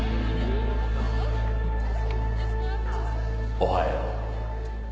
おはよう。